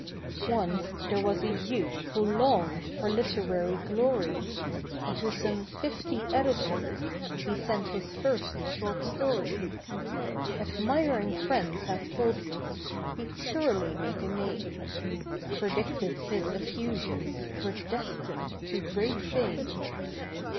Once there was a youth who longed For literary glory, And to some fifty editors He sent his first short story. Admiring friends had told him He'd surely make a name; Predicted his effusions Were destined to great fame.